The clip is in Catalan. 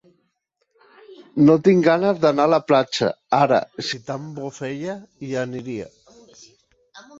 No tinc ganes d'anar a la platja; ara, si tan bo feia, hi aniria.